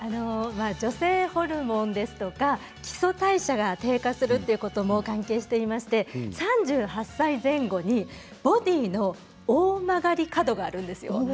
女性ホルモンですとか基礎代謝が低下するということも関係していまして３８歳前後にボディーの大曲がり角があるんですよ。